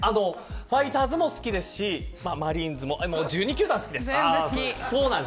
ファイターズも好きですしマリーンズも１２球団好きです。